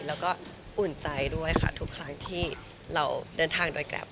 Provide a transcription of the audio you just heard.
ฮุ่นใจด้วยทุกครั้งที่เราเดินทางโดยกรรม